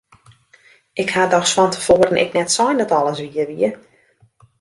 Ik ha dochs fan te foaren ek net sein dat alles wier wie!